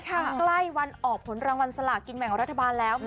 ใกล้วันออกผลรางวัลสลากินแบ่งรัฐบาลแล้ว